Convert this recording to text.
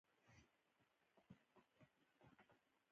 ولایتونه د افغانستان د موسم د بدلون سبب کېږي.